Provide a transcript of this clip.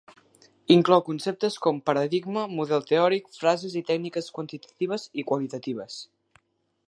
Inclou conceptes com paradigma, model teòric, fases i tècniques quantitatives i qualitatives.